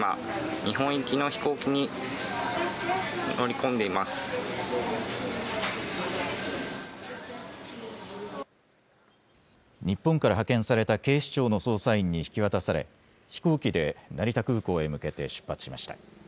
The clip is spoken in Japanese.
日本から派遣された警視庁の捜査員に引き渡され飛行機で成田空港へ向けて出発しました。